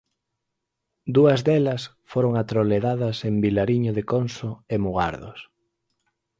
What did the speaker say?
Dúas delas foron atroledadas en Vilariño de Conso e Mugardos.